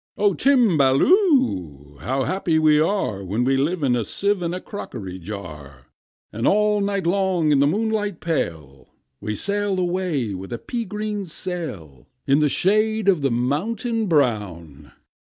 "O Timballoo! How happy we are When we live in a sieve and a crockery jar! And all night long, in the moonlight pale, We sail away with a pea green sail In the shade of the mountains brown."